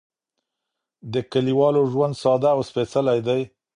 د کليوالو ژوند ساده او سپېڅلی دی.